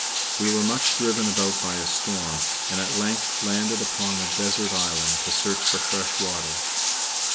We were much driven about by a storm, and at length landed upon a desert island to search for fresh water.